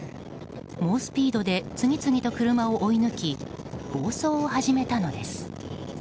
猛スピードで次々と車を追い抜き暴走を始めたのです。